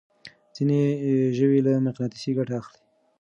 ځينې ژوي له مقناطيسه ګټه اخلي.